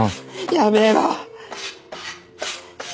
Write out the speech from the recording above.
やめろ！